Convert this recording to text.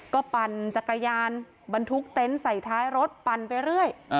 ก็ปั่นจักรยานบรรทุกเต็นต์ใส่ท้ายรถปั่นไปเรื่อย